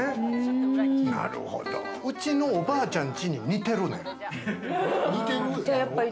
うちのおばあちゃんちに似てるねん。